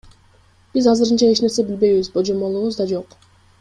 Биз азырынча эч нерсе билбейбиз, божомолубуз да жок.